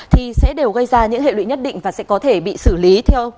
thì sẽ đều gây ra những hệ lụy nhất định và sẽ có thể bị xử lý theo